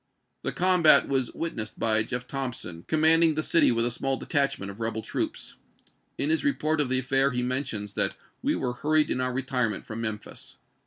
The chap.xix. combat was witnessed by Jeff. Thompson, com manding the city with a small detachment of rebel troops. In his report of the affair he mentions that "we were hurried in our retirement from Mem phis."